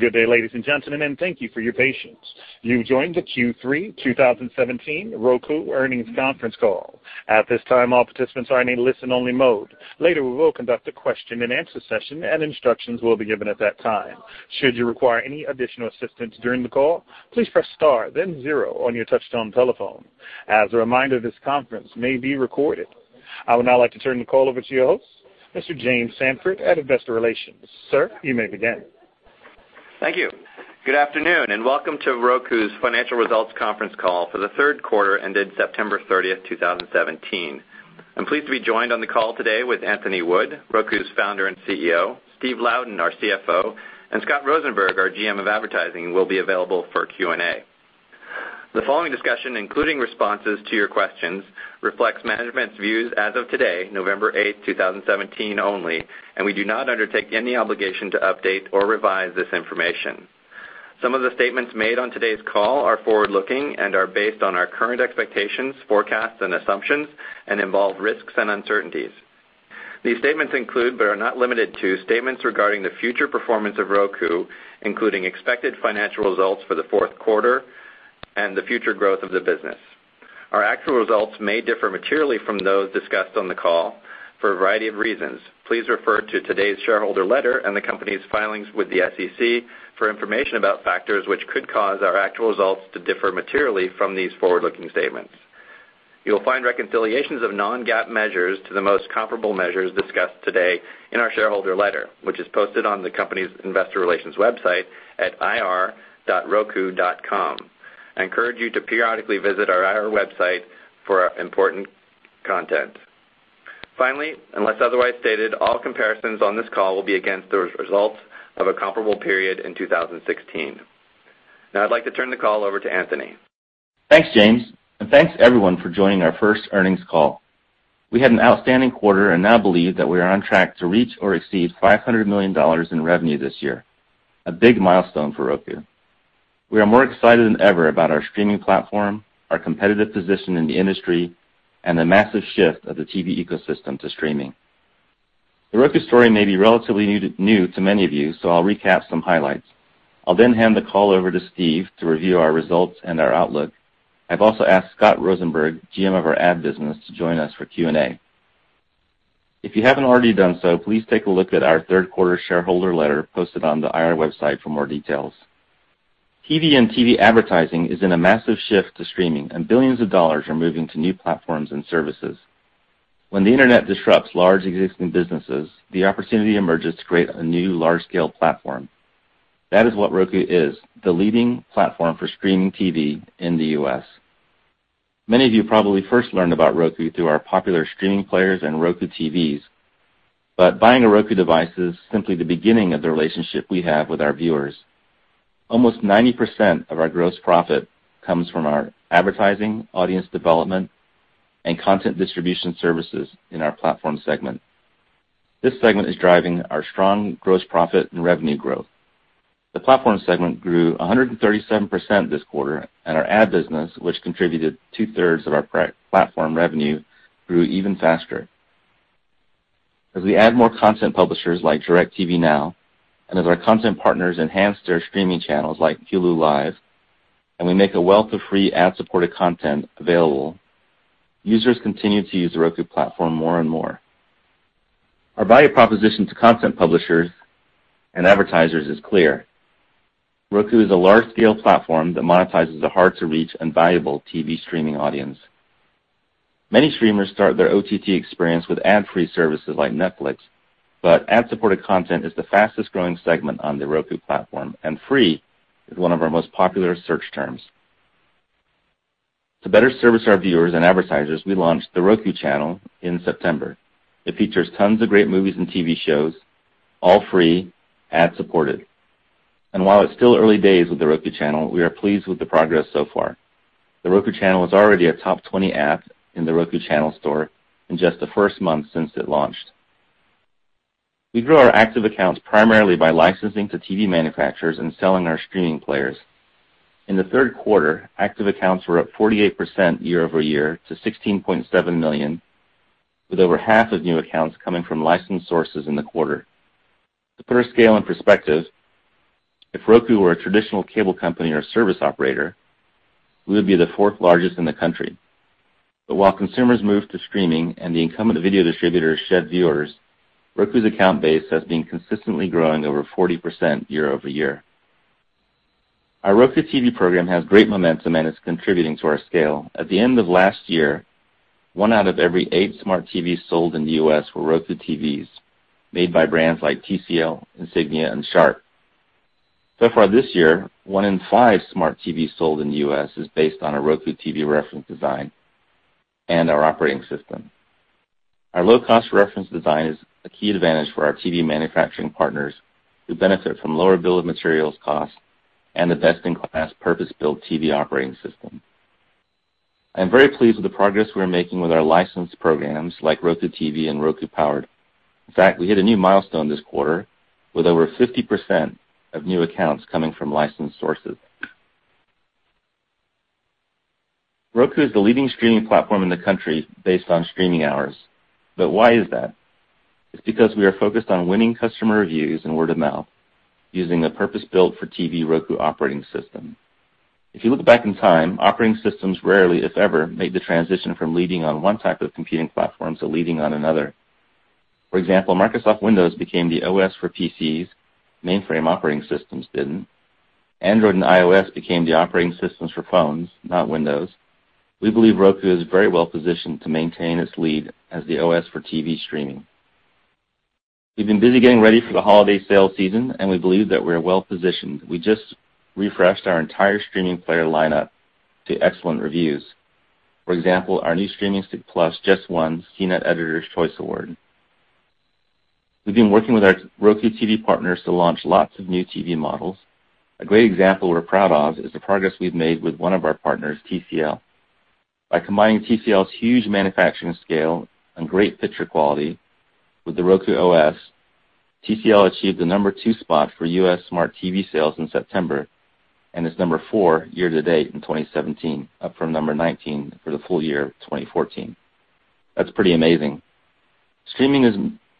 Good day, ladies and gentlemen, and thank you for your patience. You've joined the Q3 2017 Roku earnings conference call. At this time, all participants are in a listen-only mode. Later, we will conduct a question and answer session, instructions will be given at that time. Should you require any additional assistance during the call, please press star then zero on your touchtone telephone. As a reminder, this conference may be recorded. I would now like to turn the call over to your host, Mr. James Sanford, at Investor Relations. Sir, you may begin. Thank you. Good afternoon, welcome to Roku's financial results conference call for the third quarter ended September 30, 2017. I'm pleased to be joined on the call today with Anthony Wood, Roku's Founder and CEO, Steve Louden, our CFO, Scott Rosenberg, our GM of Advertising, will be available for Q&A. The following discussion, including responses to your questions, reflects management's views as of today, November 8, 2017, only, we do not undertake any obligation to update or revise this information. Some of the statements made on today's call are forward-looking and are based on our current expectations, forecasts, and assumptions and involve risks and uncertainties. These statements include, but are not limited to, statements regarding the future performance of Roku, including expected financial results for the fourth quarter and the future growth of the business. Our actual results may differ materially from those discussed on the call for a variety of reasons. Please refer to today's shareholder letter and the company's filings with the SEC for information about factors which could cause our actual results to differ materially from these forward-looking statements. You'll find reconciliations of non-GAAP measures to the most comparable measures discussed today in our shareholder letter, which is posted on the company's investor relations website at ir.roku.com. I encourage you to periodically visit our IR website for important content. Finally, unless otherwise stated, all comparisons on this call will be against the results of a comparable period in 2016. Now I'd like to turn the call over to Anthony. Thanks, James, thanks, everyone, for joining our first earnings call. We had an outstanding quarter and now believe that we are on track to reach or exceed $500 million in revenue this year, a big milestone for Roku. We are more excited than ever about our streaming platform, our competitive position in the industry, and the massive shift of the TV ecosystem to streaming. The Roku story may be relatively new to many of you, so I'll recap some highlights. I'll then hand the call over to Steve to review our results and our outlook. I've also asked Scott Rosenberg, GM of our Ad Business, to join us for Q&A. If you haven't already done so, please take a look at our third quarter shareholder letter posted on the IR website for more details. TV and TV advertising is in a massive shift to streaming, Billions of dollars are moving to new platforms and services. When the internet disrupts large existing businesses, the opportunity emerges to create a new large-scale platform. That is what Roku is, the leading platform for streaming TV in the U.S. Many of you probably first learned about Roku through our popular streaming players and Roku TVs. Buying a Roku device is simply the beginning of the relationship we have with our viewers. Almost 90% of our gross profit comes from our advertising, audience development, and content distribution services in our platform segment. This segment is driving our strong gross profit and revenue growth. The platform segment grew 137% this quarter, and our ad business, which contributed 2/3 of our platform revenue, grew even faster. As we add more content publishers like DIRECTV NOW and as our content partners enhance their streaming channels like Hulu Live, we make a wealth of free ad-supported content available, users continue to use the Roku platform more and more. Our value proposition to content publishers and advertisers is clear. Roku is a large-scale platform that monetizes a hard-to-reach and valuable TV streaming audience. Many streamers start their OTT experience with ad-free services like Netflix, Ad-supported content is the fastest-growing segment on the Roku platform, and free is one of our most popular search terms. To better service our viewers and advertisers, we launched The Roku Channel in September. It features tons of great movies and TV shows, all free, ad-supported. While it's still early days with The Roku Channel, we are pleased with the progress so far. The Roku Channel is already a top 20 app in The Roku Channel Store in just the first month since it launched. We grow our active accounts primarily by licensing to TV manufacturers and selling our streaming players. In the third quarter, active accounts were up 48% year-over-year to 16.7 million, with over half of new accounts coming from licensed sources in the quarter. To put our scale in perspective, if Roku were a traditional cable company or service operator, we would be the fourth largest in the country. While consumers move to streaming and the incumbent video distributors shed viewers, Roku's account base has been consistently growing over 40% year-over-year. Our Roku TV program has great momentum and is contributing to our scale. At the end of last year, one out of every eight smart TVs sold in the U.S. were Roku TVs made by brands like TCL, Insignia, and Sharp. So far this year, one in five smart TVs sold in the U.S. is based on a Roku TV reference design and our operating system. Our low-cost reference design is a key advantage for our TV manufacturing partners who benefit from lower bill of materials cost and the best-in-class purpose-built TV operating system. I am very pleased with the progress we are making with our licensed programs like Roku TV and Roku Powered. We hit a new milestone this quarter with over 50% of new accounts coming from licensed sources. Roku is the leading streaming platform in the country based on streaming hours. Why is that? It's because we are focused on winning customer reviews and word of mouth using a purpose-built for TV Roku operating system. If you look back in time, operating systems rarely, if ever, made the transition from leading on one type of computing platform to leading on another. For example, Microsoft Windows became the OS for PCs, mainframe operating systems didn't. Android and iOS became the operating systems for phones, not Windows. We believe Roku is very well positioned to maintain its lead as the OS for TV streaming. We've been busy getting ready for the holiday sales season, and we believe that we're well positioned. We just refreshed our entire streaming player lineup to excellent reviews. For example, our new Streaming Stick+ just won CNET Editor's Choice Award. We've been working with our Roku TV partners to launch lots of new TV models. A great example we're proud of is the progress we've made with one of our partners, TCL. By combining TCL's huge manufacturing scale and great picture quality with the Roku OS, TCL achieved the number 2 spot for U.S. smart TV sales in September, and is number 4 year-to-date in 2017, up from number 19 for the full year 2014. That's pretty amazing. Streaming is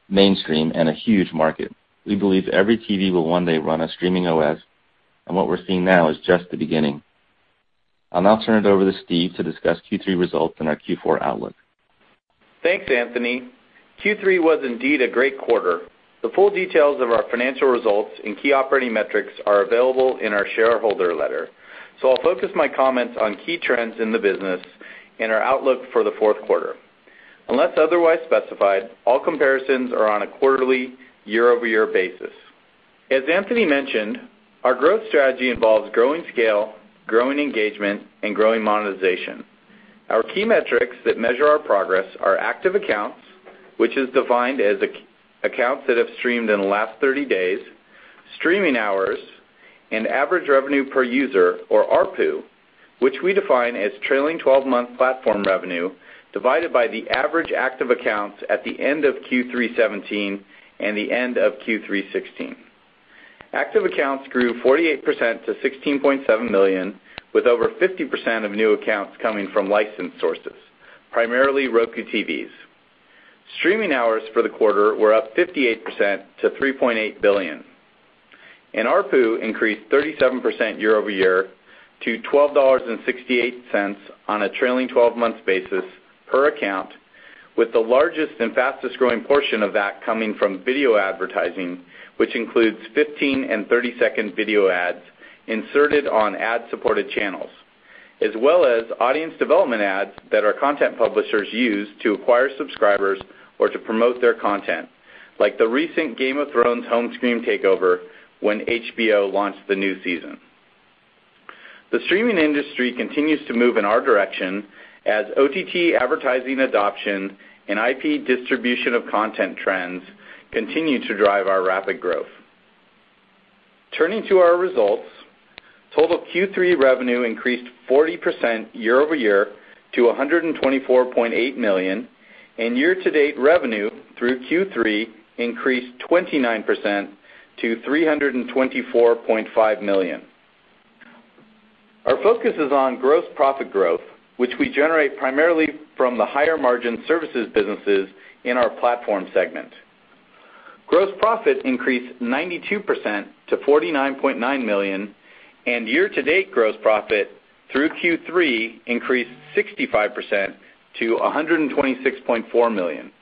mainstream and a huge market. We believe every TV will one day run a streaming OS, and what we're seeing now is just the beginning. I'll now turn it over to Steve to discuss Q3 results and our Q4 outlook. Thanks, Anthony. Q3 was indeed a great quarter. The full details of our financial results and key operating metrics are available in our shareholder letter. I'll focus my comments on key trends in the business and our outlook for the fourth quarter. Unless otherwise specified, all comparisons are on a quarterly year-over-year basis. As Anthony mentioned, our growth strategy involves growing scale, growing engagement, and growing monetization. Our key metrics that measure our progress are active accounts, which is defined as accounts that have streamed in the last 30 days, streaming hours, and average revenue per user, or ARPU, which we define as trailing 12-month platform revenue divided by the average active accounts at the end of Q3 2017 and the end of Q3 2016. Active accounts grew 48% to 16.7 million, with over 50% of new accounts coming from licensed sources, primarily Roku TVs. Streaming hours for the quarter were up 58% to 3.8 billion. ARPU increased 37% year-over-year to $12.68 on a trailing 12-month basis per account, with the largest and fastest-growing portion of that coming from video advertising, which includes 15- and 30-second video ads inserted on ad-supported channels, as well as audience development ads that our content publishers use to acquire subscribers or to promote their content, like the recent "Game of Thrones" home screen takeover when HBO launched the new season. The streaming industry continues to move in our direction as OTT advertising adoption and IP distribution of content trends continue to drive our rapid growth. Turning to our results, total Q3 revenue increased 40% year-over-year to $124.8 million, and year-to-date revenue through Q3 increased 29% to $324.5 million. Our focus is on gross profit growth, which we generate primarily from the higher margin services businesses in our platform segment. Gross profit increased 92% to $49.9 million, and year-to-date gross profit through Q3 increased 65% to $126.4 million.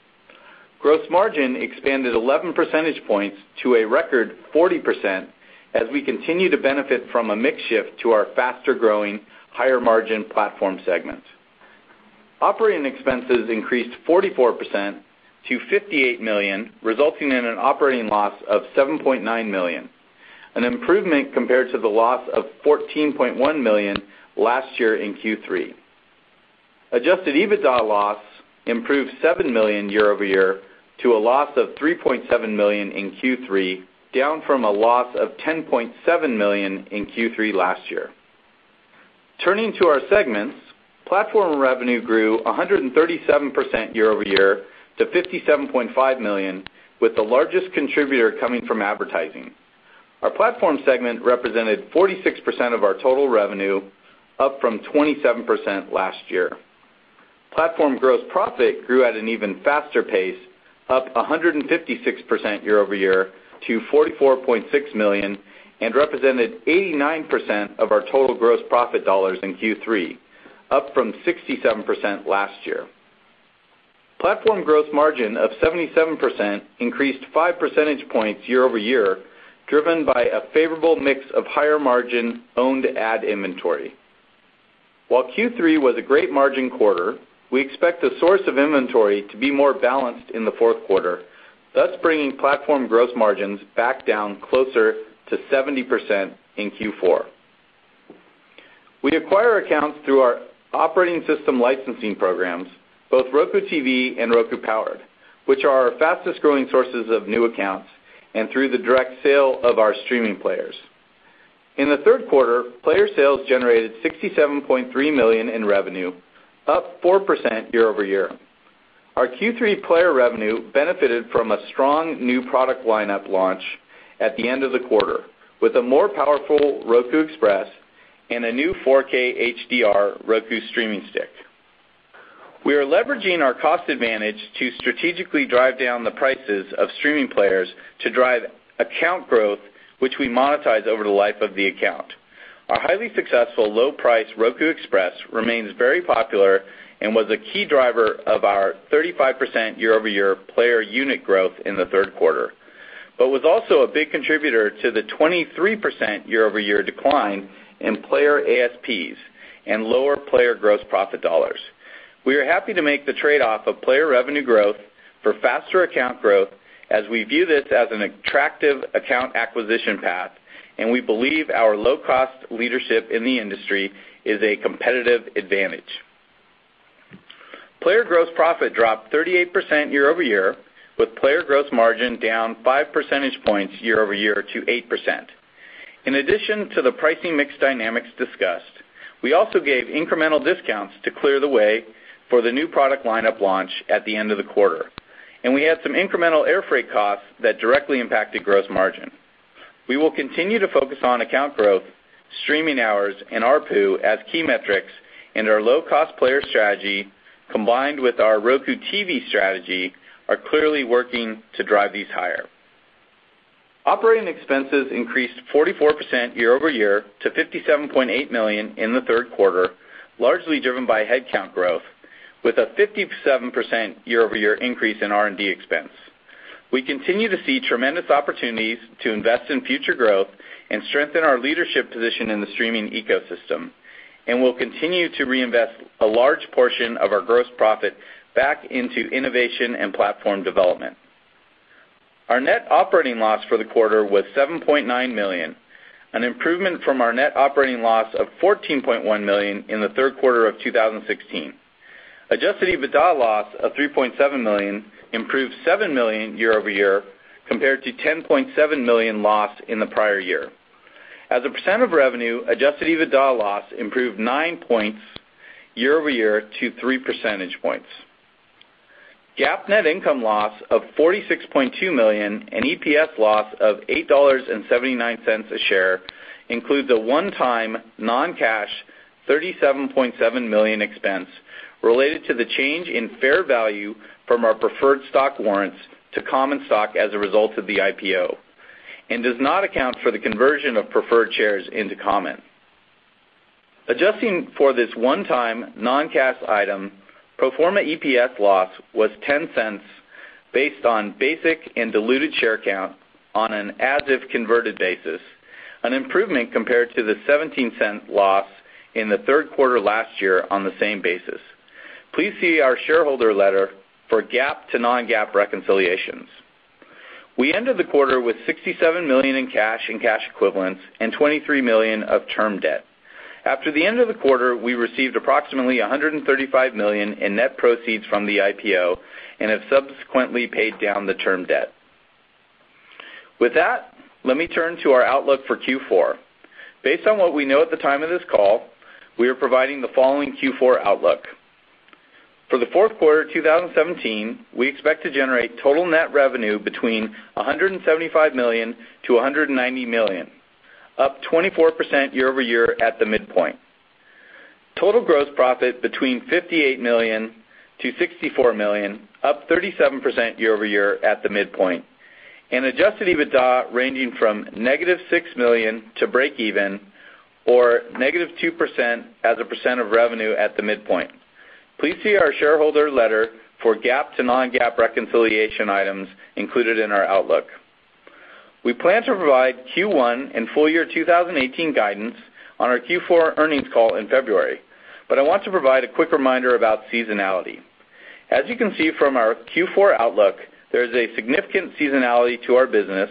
Gross margin expanded 11 percentage points to a record 40% as we continue to benefit from a mix shift to our faster-growing, higher margin platform segment. Operating expenses increased 44% to $57.8 Million, resulting in an operating loss of $7.9 million, an improvement compared to the loss of $14.1 million last year in Q3. Adjusted EBITDA loss improved $7 million year-over-year to a loss of $3.7 million in Q3, down from a loss of $10.7 million in Q3 last year. Turning to our segments, platform revenue grew 137% year-over-year to $57.5 million, with the largest contributor coming from advertising. Our platform segment represented 46% of our total revenue, up from 27% last year. Platform gross profit grew at an even faster pace, up 156% year-over-year to $44.6 million, and represented 89% of our total gross profit dollars in Q3, up from 67% last year. Platform gross margin of 77% increased five percentage points year-over-year, driven by a favorable mix of higher margin owned ad inventory. While Q3 was a great margin quarter, we expect the source of inventory to be more balanced in the fourth quarter, thus bringing platform gross margins back down closer to 70% in Q4. We acquire accounts through our operating system licensing programs, both Roku TV and Roku Powered, which are our fastest-growing sources of new accounts, and through the direct sale of our streaming players. In the third quarter, player sales generated $67.3 million in revenue, up 4% year-over-year. Our Q3 player revenue benefited from a strong new product lineup launch at the end of the quarter, with a more powerful Roku Express and a new 4K HDR Roku Streaming Stick+. We are leveraging our cost advantage to strategically drive down the prices of streaming players to drive account growth, which we monetize over the life of the account. Our highly successful low price Roku Express remains very popular and was a key driver of our 35% year-over-year player unit growth in the third quarter, but was also a big contributor to the 23% year-over-year decline in player ASPs and lower player gross profit dollars. We are happy to make the trade-off of player revenue growth for faster account growth as we view this as an attractive account acquisition path. We believe our low-cost leadership in the industry is a competitive advantage. Player gross profit dropped 38% year-over-year, with player gross margin down five percentage points year-over-year to 8%. In addition to the pricing mix dynamics discussed, we also gave incremental discounts to clear the way for the new product lineup launch at the end of the quarter. We had some incremental airfreight costs that directly impacted gross margin. We will continue to focus on account growth, streaming hours, and ARPU as key metrics. Our low-cost player strategy, combined with our Roku TV strategy, are clearly working to drive these higher. Operating expenses increased 44% year-over-year to $57.8 million in the third quarter, largely driven by headcount growth, with a 57% year-over-year increase in R&D expense. We continue to see tremendous opportunities to invest in future growth and strengthen our leadership position in the streaming ecosystem. We'll continue to reinvest a large portion of our gross profit back into innovation and platform development. Our net operating loss for the quarter was $7.9 million, an improvement from our net operating loss of $14.1 million in the third quarter of 2016. Adjusted EBITDA loss of $3.7 million improved $7 million year-over-year compared to $10.7 million lost in the prior year. As a percent of revenue, adjusted EBITDA loss improved nine points year-over-year to three percentage points. GAAP net income loss of $46.2 million and EPS loss of $8.79 a share includes a one-time non-cash $37.7 million expense related to the change in fair value from our preferred stock warrants to common stock as a result of the IPO and does not account for the conversion of preferred shares into common. Adjusting for this one-time non-cash item, pro forma EPS loss was $0.10 based on basic and diluted share count on an as-if-converted basis, an improvement compared to the $0.17 loss in the third quarter last year on the same basis. Please see our shareholder letter for GAAP to non-GAAP reconciliations. We ended the quarter with $67 million in cash and cash equivalents and $23 million of term debt. After the end of the quarter, we received approximately $135 million in net proceeds from the IPO and have subsequently paid down the term debt. With that, let me turn to our outlook for Q4. Based on what we know at the time of this call, we are providing the following Q4 outlook. For the fourth quarter 2017, we expect to generate total net revenue between $175 million-$190 million, up 24% year-over-year at the midpoint. Total gross profit between $58 million-$64 million, up 37% year-over-year at the midpoint. Adjusted EBITDA ranging from negative $6 million to break even, or negative 2% as a percent of revenue at the midpoint. Please see our shareholder letter for GAAP to non-GAAP reconciliation items included in our outlook. We plan to provide Q1 and full year 2018 guidance on our Q4 earnings call in February. I want to provide a quick reminder about seasonality. As you can see from our Q4 outlook, there is a significant seasonality to our business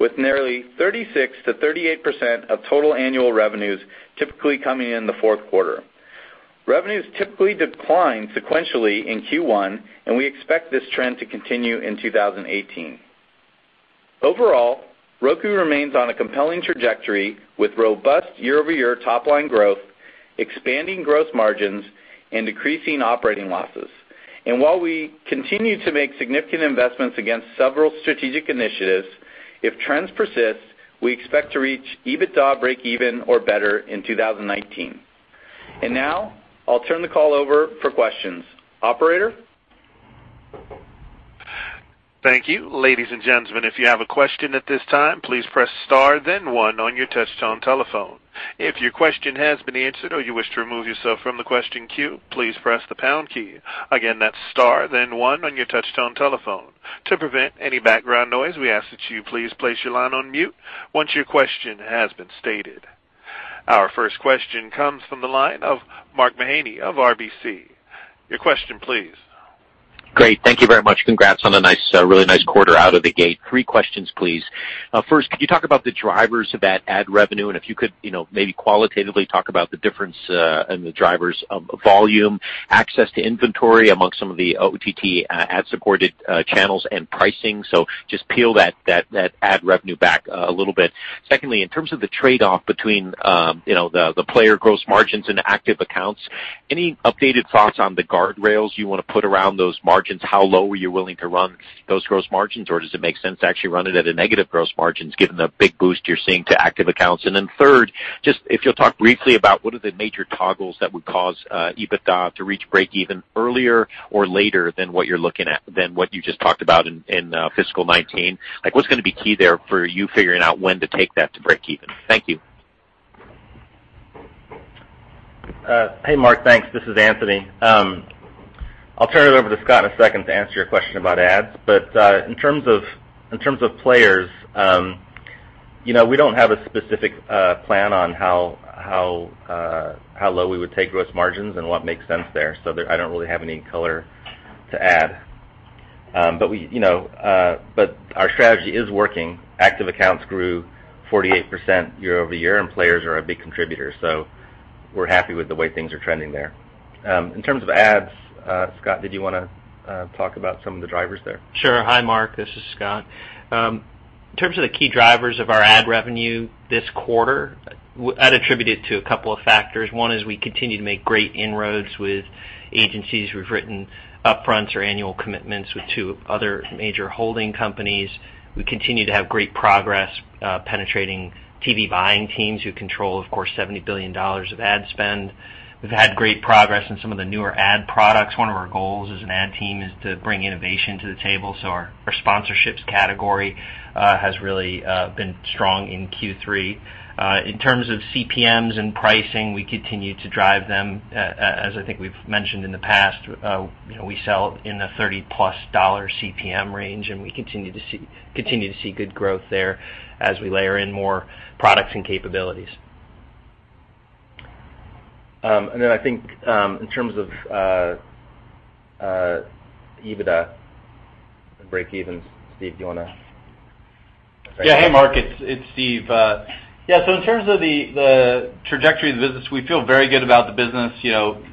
with nearly 36%-38% of total annual revenues typically coming in the fourth quarter. Revenues typically decline sequentially in Q1, and we expect this trend to continue in 2018. Overall, Roku remains on a compelling trajectory with robust year-over-year top line growth, expanding gross margins, and decreasing operating losses. While we continue to make significant investments against several strategic initiatives, if trends persist, we expect to reach EBITDA break even or better in 2019. Now, I'll turn the call over for questions. Operator? Thank you. Ladies and gentlemen, if you have a question at this time, please press star then one on your touchtone telephone. If your question has been answered or you wish to remove yourself from the question queue, please press the pound key. Again, that's star then one on your touchtone telephone. To prevent any background noise, we ask that you please place your line on mute once your question has been stated. Our first question comes from the line of Mark Mahaney of RBC. Your question please. Great. Thank you very much. Congrats on a really nice quarter out of the gate. Three questions, please. First, could you talk about the drivers of that ad revenue? If you could maybe qualitatively talk about the difference and the drivers of volume, access to inventory amongst some of the OTT ad-supported channels, and pricing. Just peel that ad revenue back a little bit. Secondly, in terms of the trade-off between the player gross margins and active accounts, any updated thoughts on the guardrails you want to put around those margins? How low are you willing to run those gross margins? Or does it make sense to actually run it at a negative gross margins, given the big boost you're seeing to active accounts? Third, just if you'll talk briefly about what are the major toggles that would cause EBITDA to reach breakeven earlier or later than what you just talked about in fiscal 2019? What's going to be key there for you figuring out when to take that to breakeven? Thank you. Hey, Mark. Thanks. This is Anthony. I'll turn it over to Scott in a second to answer your question about ads. In terms of players, we don't have a specific plan on how low we would take gross margins and what makes sense there. I don't really have any color to add. Our strategy is working. Active accounts grew 48% year-over-year, and players are a big contributor. We're happy with the way things are trending there. In terms of ads, Scott, did you want to talk about some of the drivers there? Sure. Hi, Mark. This is Scott. In terms of the key drivers of our ad revenue this quarter, I'd attribute it to a couple of factors. One is we continue to make great inroads with agencies. We've written upfront or annual commitments with two other major holding companies. We continue to have great progress penetrating TV buying teams who control, of course, $70 billion of ad spend. We've had great progress in some of the newer ad products. One of our goals as an ad team is to bring innovation to the table. Our sponsorships category has really been strong in Q3. In terms of CPMs and pricing, we continue to drive them. As I think we've mentioned in the past, we sell in the 30-plus dollar CPM range, and we continue to see good growth there as we layer in more products and capabilities. I think in terms of EBITDA and breakevens, Steve, do you want to Hey, Mark. It's Steve. In terms of the trajectory of the business, we feel very good about the business.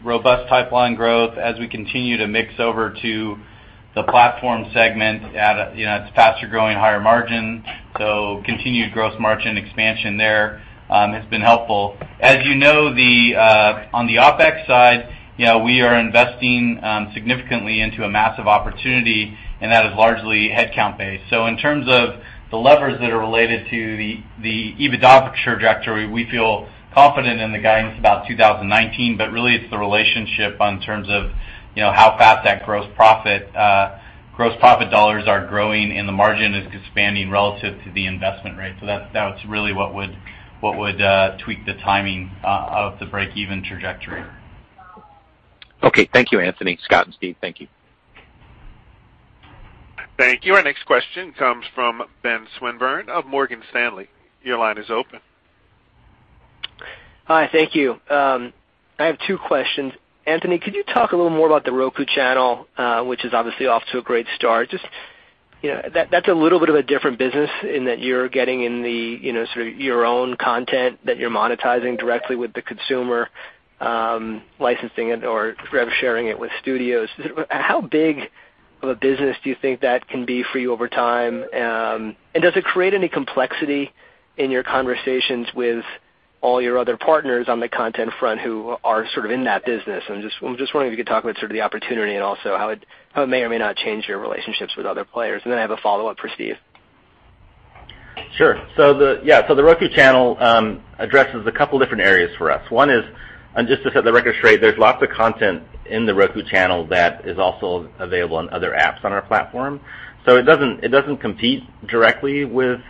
Robust pipeline growth as we continue to mix over to the platform segment at its faster-growing higher margin. Continued gross margin expansion there has been helpful. As you know, on the OpEx side, we are investing significantly into a massive opportunity, and that is largely headcount-based. In terms of the levers that are related to the EBITDA trajectory, we feel confident in the guidance about 2019. Really, it's the relationship in terms of how fast that gross profit dollars are growing, and the margin is expanding relative to the investment rate. That's really what would tweak the timing of the breakeven trajectory. Okay. Thank you, Anthony, Scott, and Steve. Thank you. Thank you. Our next question comes from Ben Swinburne of Morgan Stanley. Your line is open. Hi. Thank you. I have two questions. Anthony, could you talk a little more about The Roku Channel, which is obviously off to a great start? That's a little bit of a different business in that you're getting in the sort of your own content that you're monetizing directly with the consumer, licensing it or rev sharing it with studios. How big of a business do you think that can be for you over time? Does it create any complexity in your conversations with all your other partners on the content front who are sort of in that business? I'm just wondering if you could talk about sort of the opportunity and also how it may or may not change your relationships with other players. I have a follow-up for Steve. Sure. The Roku Channel addresses a couple of different areas for us. One is, just to set the record straight, there's lots of content in The Roku Channel that is also available on other apps on our platform. It doesn't compete directly with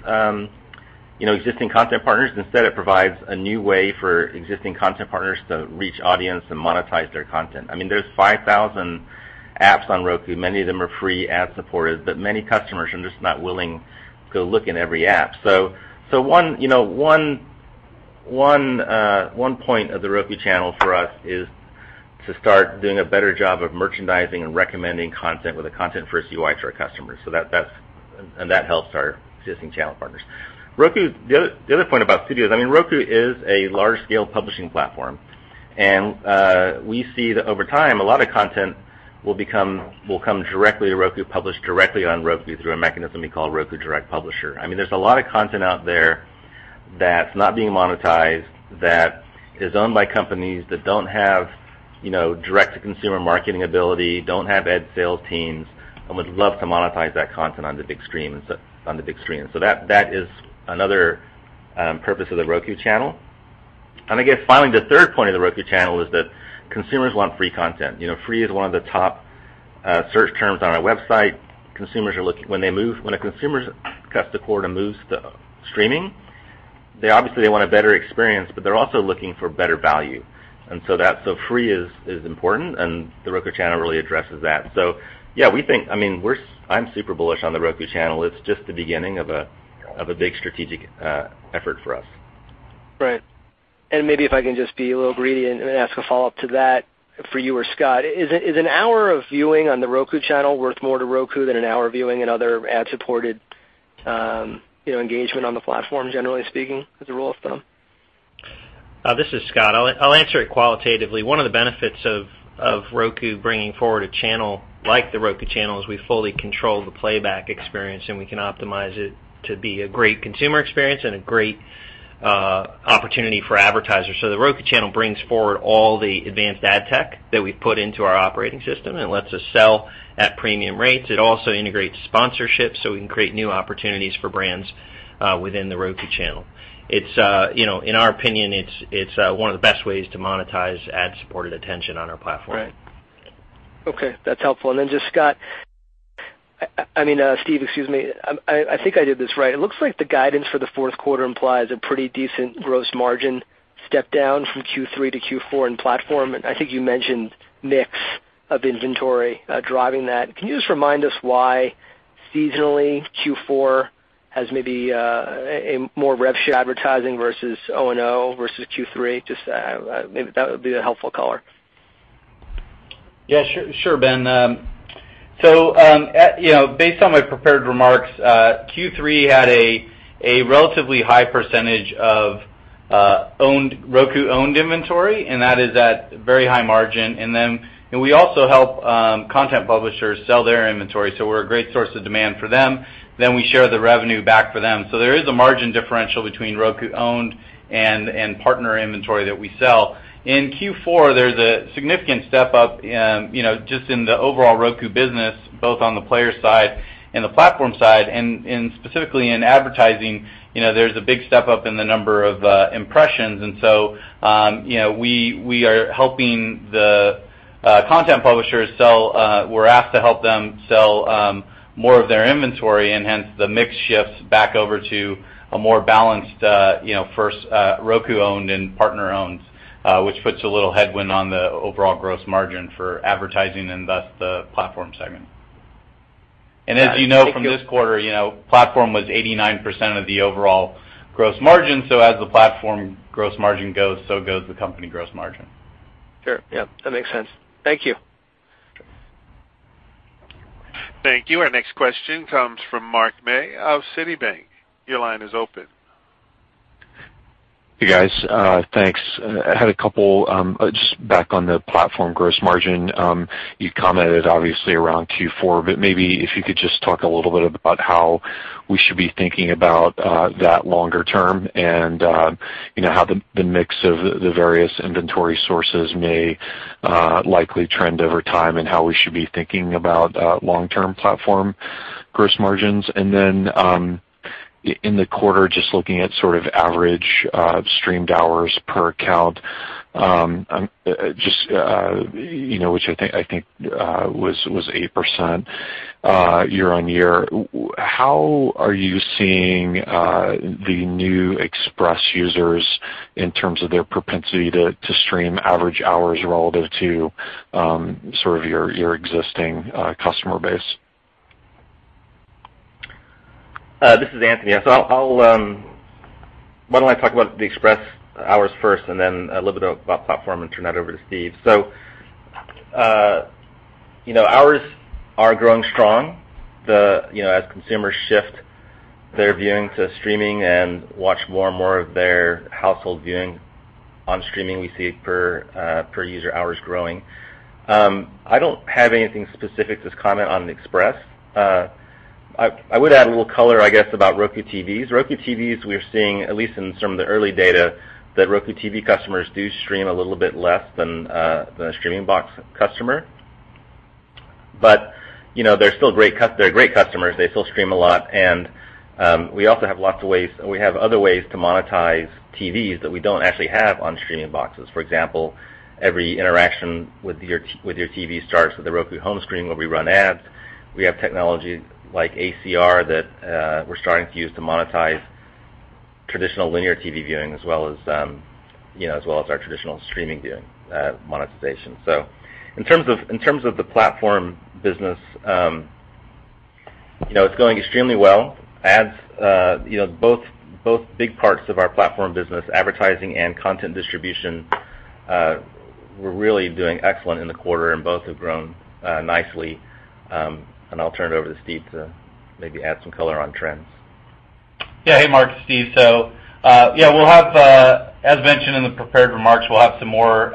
existing content partners. Instead, it provides a new way for existing content partners to reach audience and monetize their content. There's 5,000 apps on Roku. Many of them are free ad supported, but many customers are just not willing to go look in every app. One point of The Roku Channel for us is to start doing a better job of merchandising and recommending content with a content-first UI to our customers. That helps our existing channel partners. The other point about studios, Roku is a large-scale publishing platform. We see that over time, a lot of content will come directly to Roku, published directly on Roku through a mechanism we call Roku Direct Publisher. There's a lot of content out there that's not being monetized that is owned by companies that don't have direct-to-consumer marketing ability, don't have ad sales teams, and would love to monetize that content on The Big Screen. That is another purpose of The Roku Channel. I guess finally, the third point of The Roku Channel is that consumers want free content. Free is one of the top search terms on our website. When a consumer cuts the cord and moves to streaming, they obviously want a better experience, but they're also looking for better value. Free is important, and The Roku Channel really addresses that. Yeah, I'm super bullish on The Roku Channel. It's just the beginning of a big strategic effort for us. Right. Maybe if I can just be a little greedy and ask a follow-up to that for you or Scott. Is an hour of viewing on The Roku Channel worth more to Roku than an hour viewing in other ad-supported engagement on the platform, generally speaking, as a rule of thumb? This is Scott. I'll answer it qualitatively. One of the benefits of Roku bringing forward a channel like The Roku Channel is we fully control the playback experience, and we can optimize it to be a great consumer experience and a great opportunity for advertisers. The Roku Channel brings forward all the advanced ad tech that we've put into our operating system and lets us sell at premium rates. It also integrates sponsorships so we can create new opportunities for brands within The Roku Channel. In our opinion, it's one of the best ways to monetize ad-supported attention on our platform. Right. Okay. That's helpful. Just Scott, I mean, Steve, excuse me. I think I did this right. It looks like the guidance for the fourth quarter implies a pretty decent gross margin step down from Q3 to Q4 in platform, and I think you mentioned mix of inventory driving that. Can you just remind us why seasonally Q4 has maybe a more rev share advertising versus O&O versus Q3? Just maybe that would be a helpful color. Sure, Ben. Based on my prepared remarks, Q3 had a relatively high percentage of Roku-owned inventory, and that is at very high margin. We also help content publishers sell their inventory, so we're a great source of demand for them. We share the revenue back for them. There is a margin differential between Roku-owned and partner inventory that we sell. In Q4, there's a significant step up just in the overall Roku business, both on the player side and the platform side, and specifically in advertising, there's a big step up in the number of impressions. We are helping the content publishers sell. We're asked to help them sell more of their inventory, and hence the mix shifts back over to a more balanced first Roku-owned and partner-owned, which puts a little headwind on the overall gross margin for advertising and thus the platform segment. As you know from this quarter, platform was 89% of the overall gross margin, as the platform gross margin goes, so goes the company gross margin. Sure. Yeah. That makes sense. Thank you. Thank you. Our next question comes from Mark May of Citi. Your line is open. Hey, guys. Thanks. I had a couple just back on the platform gross margin. Maybe if you could just talk a little bit about how we should be thinking about that longer term and how the mix of the various inventory sources may likely trend over time and how we should be thinking about long-term platform gross margins. In the quarter, just looking at sort of average streamed hours per account, which I think was 8% year-on-year. How are you seeing the new Express users in terms of their propensity to stream average hours relative to sort of your existing customer base? This is Anthony. Why don't I talk about the Express hours first and then a little bit about platform and turn that over to Steve. Hours are growing strong. As consumers shift their viewing to streaming and watch more and more of their household viewing on streaming, we see per user hours growing. I don't have anything specific to comment on Express. I would add a little color, I guess, about Roku TVs. Roku TVs, we are seeing, at least in some of the early data, that Roku TV customers do stream a little bit less than a streaming box customer. They're great customers. They still stream a lot, and we also have other ways to monetize TVs that we don't actually have on streaming boxes. For example, every interaction with your TV starts with the Roku home screen where we run ads. We have technology like ACR that we're starting to use to monetize traditional linear TV viewing as well as our traditional streaming viewing monetization. In terms of the platform business, it's going extremely well. Both big parts of our platform business, advertising and content distribution, were really doing excellent in the quarter and both have grown nicely. I'll turn it over to Steve to maybe add some color on trends. Yeah. Hey, Mark, Steve. As mentioned in the prepared remarks, we'll have some more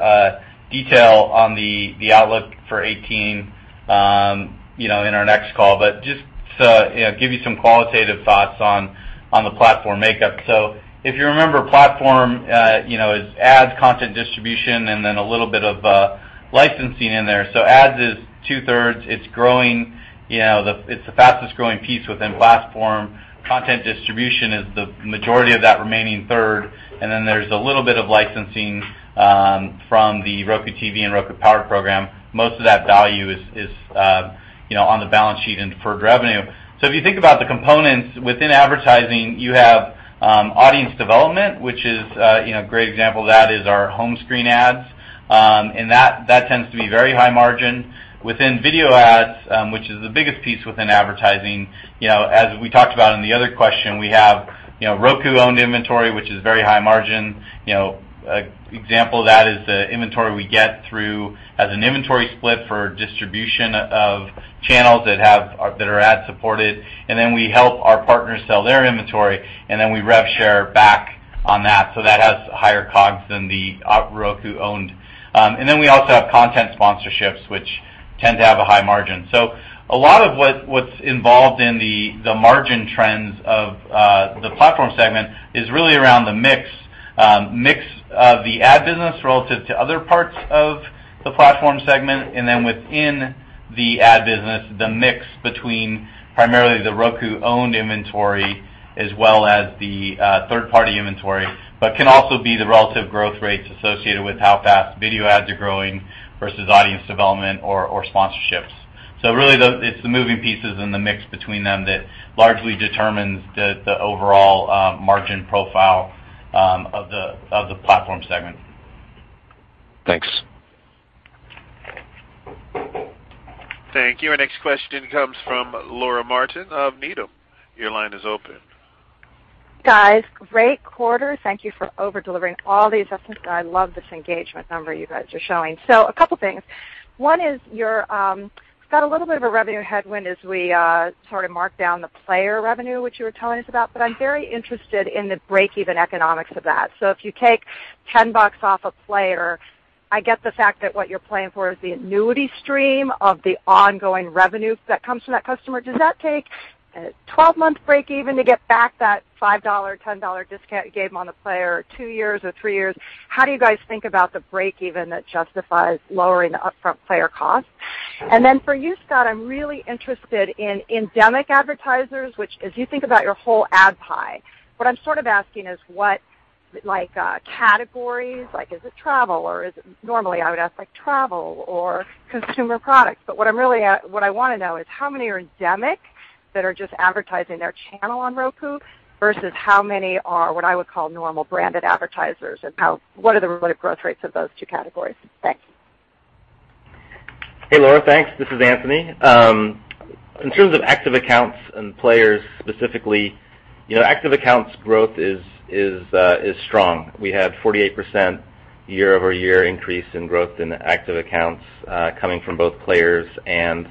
detail on the outlook for 2018 in our next call. Just to give you some qualitative thoughts on the platform makeup. If you remember, platform is ads, content distribution, and then a little bit of licensing in there. Ads is two-thirds. It's the fastest-growing piece within platform. Content distribution is the majority of that remaining third. Then there's a little bit of licensing from the Roku TV and Roku Powered program. Most of that value is on the balance sheet in deferred revenue. If you think about the components within advertising, you have audience development, which is a great example of that is our home screen ads That tends to be very high margin. Within video ads, which is the biggest piece within advertising, as we talked about in the other question, we have Roku-owned inventory, which is very high margin. Example of that is the inventory we get through as an inventory split for distribution of channels that are ad supported. Then we help our partners sell their inventory, and then we rev share back on that. That has higher COGS than the Roku-owned. Then we also have content sponsorships, which tend to have a high margin. A lot of what's involved in the margin trends of the platform segment is really around the mix of the ad business relative to other parts of the platform segment. Then within the ad business, the mix between primarily the Roku-owned inventory as well as the third-party inventory. Can also be the relative growth rates associated with how fast video ads are growing versus audience development or sponsorships. Really, it's the moving pieces and the mix between them that largely determines the overall margin profile of the platform segment. Thanks. Thank you. Our next question comes from Laura Martin of Needham. Your line is open. Guys, great quarter. Thank you for over-delivering all the assessments, and I love this engagement number you guys are showing. A couple things. One is you got a little bit of a revenue headwind as we sort of mark down the player revenue, which you were telling us about, but I'm very interested in the break-even economics of that. If you take 10 bucks off a player, I get the fact that what you're playing for is the annuity stream of the ongoing revenue that comes from that customer. Does that take a 12-month break-even to get back that $5, $10 discount you gave on a player? Two years or three years? How do you guys think about the break-even that justifies lowering the upfront player cost? For you, Scott, I'm really interested in endemic advertisers, which as you think about your whole ad pie, what I'm sort of asking is what categories, like is it travel? Is it normally I would ask like travel or consumer products, what I want to know is how many are endemic that are just advertising their channel on Roku versus how many are, what I would call normal branded advertisers, and what are the relative growth rates of those two categories? Thanks. Hey, Laura. Thanks. This is Anthony. In terms of active accounts and players specifically, active accounts growth is strong. We had 48% year-over-year increase in growth in active accounts coming from both players and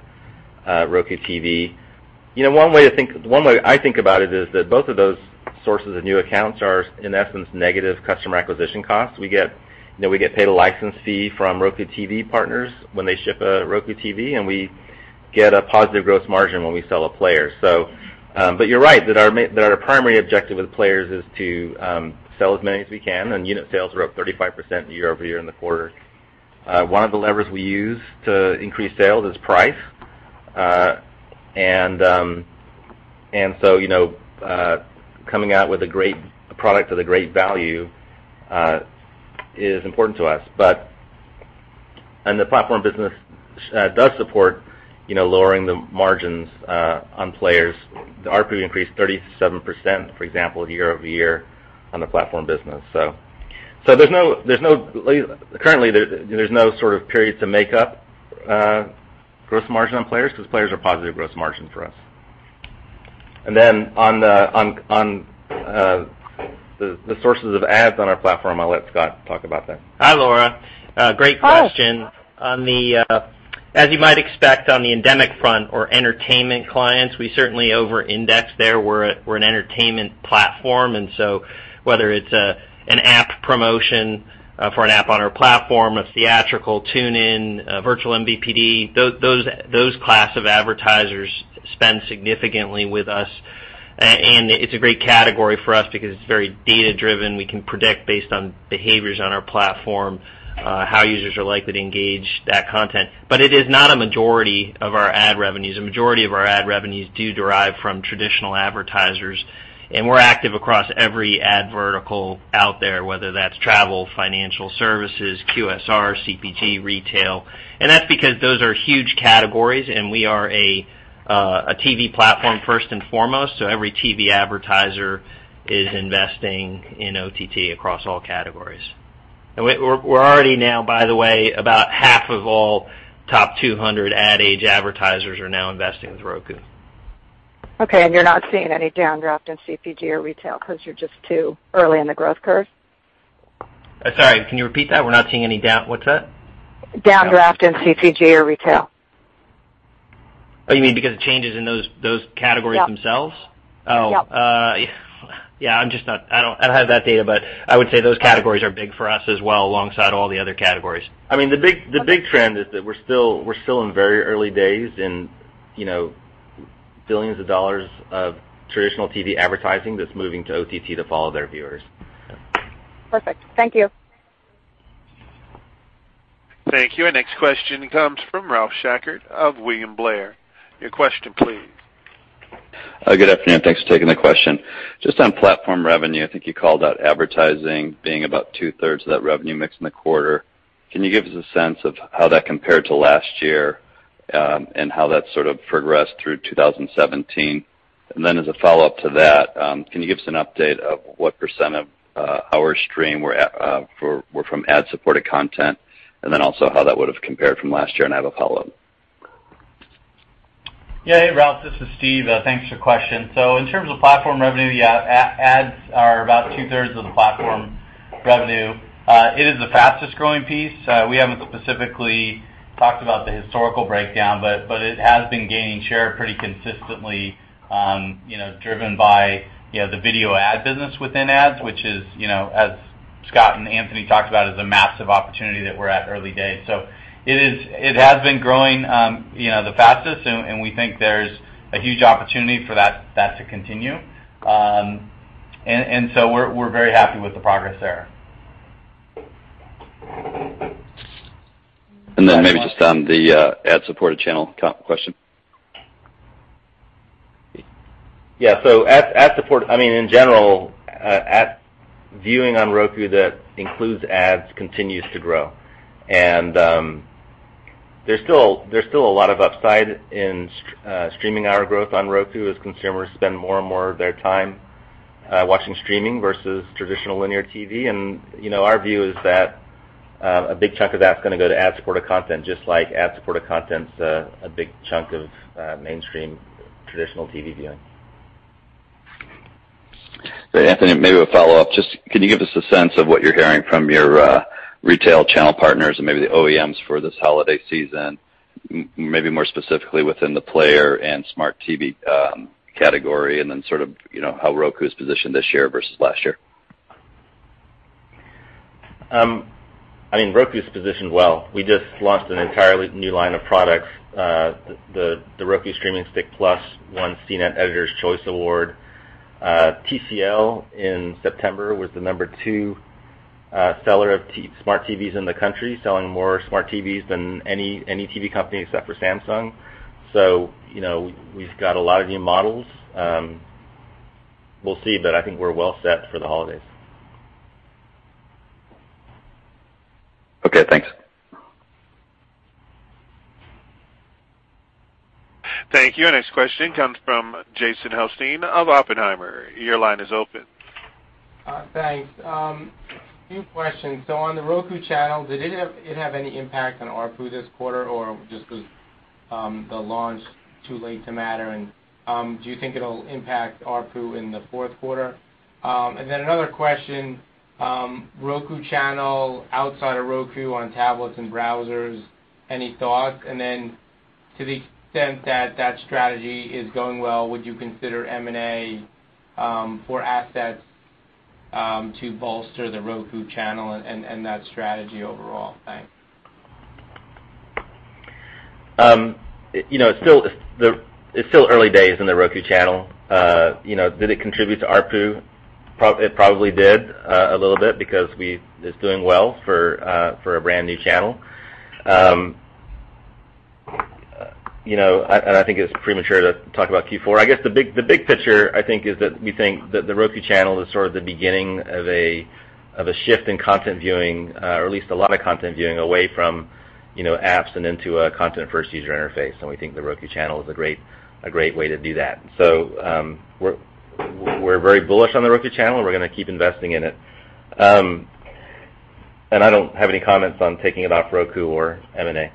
Roku TV. One way I think about it is that both of those sources of new accounts are, in essence, negative customer acquisition costs. We get paid a license fee from Roku TV partners when they ship a Roku TV, and we get a positive gross margin when we sell a player. You're right that our primary objective with players is to sell as many as we can, and unit sales are up 35% year-over-year in the quarter. One of the levers we use to increase sales is price. Coming out with a great product at a great value is important to us. The platform business does support lowering the margins on players. The ARPU increased 37%, for example, year-over-year on the platform business. Currently, there's no sort of period to make up gross margin on players because players are positive gross margin for us. On the sources of ads on our platform, I'll let Scott talk about that. Hi, Laura. Great question. Oh. As you might expect on the endemic front or entertainment clients, we certainly over-index there. We're an entertainment platform, whether it's an app promotion for an app on our platform, a theatrical tune-in, a virtual MVPD, those class of advertisers spend significantly with us. It's a great category for us because it's very data-driven. We can predict based on behaviors on our platform how users are likely to engage that content. It is not a majority of our ad revenues. A majority of our ad revenues do derive from traditional advertisers, and we're active across every ad vertical out there, whether that's travel, financial services, QSR, CPG, retail. That's because those are huge categories, and we are a TV platform first and foremost. Every TV advertiser is investing in OTT across all categories. We're already now, by the way, about half of all top 200 Ad Age advertisers are now investing with Roku. Okay, you're not seeing any downdraft in CPG or retail because you're just too early in the growth curve? Sorry, can you repeat that? We're not seeing any down-- what's that? Downdraft in CPG or retail. Oh, you mean because of changes in those categories themselves? Yep. Yeah. I don't have that data, I would say those categories are big for us as well, alongside all the other categories. The big trend is that we're still in very early days in billions of dollars of traditional TV advertising that's moving to OTT to follow their viewers. Perfect. Thank you. Thank you. Our next question comes from Ralph Schackart of William Blair. Your question, please. Good afternoon. Thanks for taking the question. Just on platform revenue, I think you called out advertising being about two-thirds of that revenue mix in the quarter. How that sort of progressed through 2017. Then as a follow-up to that, can you give us an update of what % of hours streamed were from ad-supported content, and then also how that would've compared from last year and how it followed up? Yeah. Hey, Ralph. This is Steve. Thanks for the question. In terms of platform revenue, yeah, ads are about two-thirds of the platform revenue. It is the fastest-growing piece. We haven't specifically talked about the historical breakdown, but it has been gaining share pretty consistently, driven by the video ad business within ads, which is, as Scott and Anthony talked about, is a massive opportunity that we're at early days. It has been growing the fastest, and we think there's a huge opportunity for that to continue. We're very happy with the progress there. Maybe just on the ad-supported channel question. In general, ad viewing on Roku that includes ads continues to grow. There's still a lot of upside in streaming hour growth on Roku as consumers spend more and more of their time watching streaming versus traditional linear TV. Our view is that a big chunk of that's going to go to ad-supported content, just like ad-supported content's a big chunk of mainstream traditional TV viewing. Anthony, maybe a follow-up. Just can you give us a sense of what you're hearing from your retail channel partners and maybe the OEMs for this holiday season? Maybe more specifically within the player and smart TV category, sort of how Roku is positioned this year versus last year. Roku's positioned well. We just launched an entirely new line of products. The Roku Streaming Stick+ won CNET Editor's Choice Award. TCL in September was the number 2 seller of smart TVs in the country, selling more smart TVs than any TV company except for Samsung. We've got a lot of new models. We'll see, I think we're well set for the holidays. Okay, thanks. Thank you. Next question comes from Jason Helfstein of Oppenheimer. Your line is open. Thanks. Few questions. On The Roku Channel, did it have any impact on ARPU this quarter, or just was the launch too late to matter? Do you think it'll impact ARPU in the fourth quarter? Another question. Roku Channel outside of Roku on tablets and browsers, any thoughts? To the extent that that strategy is going well, would you consider M&A for assets to bolster The Roku Channel and that strategy overall? Thanks. It's still early days in The Roku Channel. Did it contribute to ARPU? It probably did a little bit because it's doing well for a brand-new channel. I think it's premature to talk about Q4. The big picture, I think, is that we think that The Roku Channel is sort of the beginning of a shift in content viewing, or at least a lot of content viewing, away from apps and into a content-first user interface, and we think The Roku Channel is a great way to do that. We're very bullish on The Roku Channel. We're going to keep investing in it. I don't have any comments on taking it off Roku or M&A.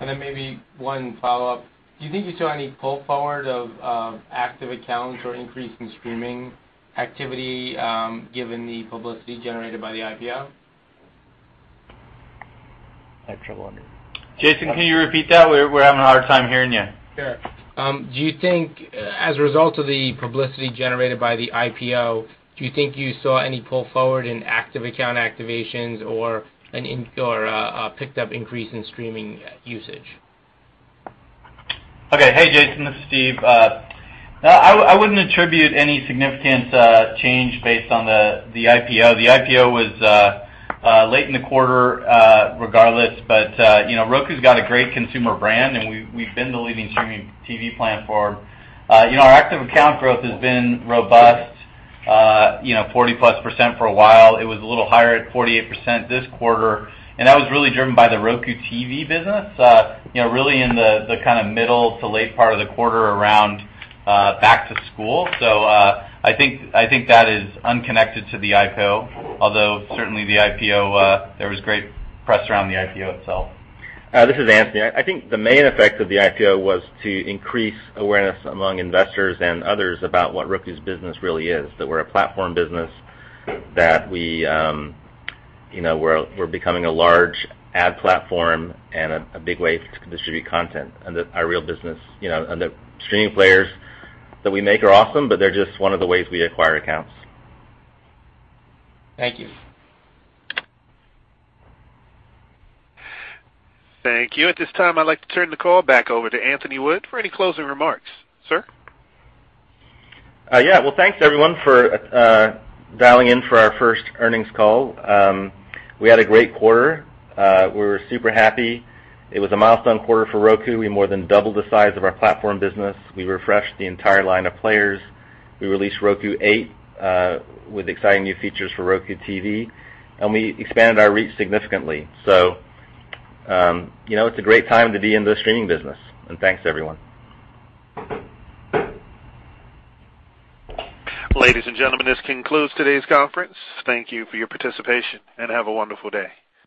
Maybe one follow-up. Do you think you saw any pull forward of active accounts or increase in streaming activity given the publicity generated by the IPO? Excellent one. Jason, can you repeat that? We're having a hard time hearing you. Sure. Do you think as a result of the publicity generated by the IPO, do you think you saw any pull forward in active account activations or a picked-up increase in streaming usage? Okay. Hey, Jason, this is Steve. I wouldn't attribute any significant change based on the IPO. The IPO was late in the quarter regardless. Roku's got a great consumer brand and we've been the leading streaming TV platform. Our active account growth has been robust, 40+% for a while. It was a little higher at 48% this quarter. That was really driven by the Roku TV business. Really in the kind of middle to late part of the quarter around back to school. I think that is unconnected to the IPO. Although certainly the IPO, there was great press around the IPO itself. This is Anthony. I think the main effect of the IPO was to increase awareness among investors and others about what Roku's business really is. That we're a platform business, that we're becoming a large ad platform and a big way to distribute content, and that our real business. The streaming players that we make are awesome, they're just one of the ways we acquire accounts. Thank you. Thank you. At this time, I'd like to turn the call back over to Anthony Wood for any closing remarks. Sir? Yeah. Well, thanks everyone for dialing in for our first earnings call. We had a great quarter. We were super happy. It was a milestone quarter for Roku. We more than doubled the size of our platform business. We refreshed the entire line of players. We released Roku OS 8 with exciting new features for Roku TV. We expanded our reach significantly. It's a great time to be in the streaming business. Thanks, everyone. Ladies and gentlemen, this concludes today's conference. Thank you for your participation, and have a wonderful day.